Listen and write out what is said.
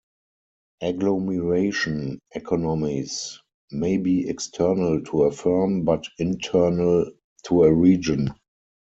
Agglomeration economies may be external to a firm but internal to a region.